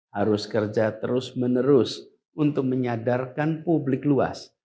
harus kerja terus menerus untuk menyadarkan publik luas